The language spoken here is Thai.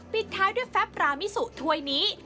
ปิดท้ายด้วยแฟปรามิสุถ้วยนี้